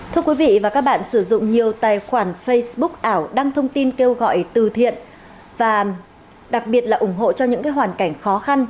thưa quý vị và các bạn sử dụng nhiều tài khoản facebook ảo đăng thông tin kêu gọi từ thiện và đặc biệt là ủng hộ cho những hoàn cảnh khó khăn